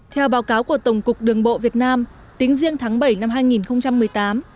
theo báo cáo của tổng cục đường bộ việt nam tính riêng tháng bảy năm hai nghìn một mươi tám